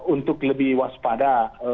untuk lebih waspada